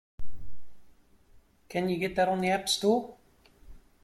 Can you get that on the App Store?